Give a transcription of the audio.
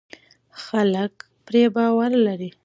خلک پرې باور لري.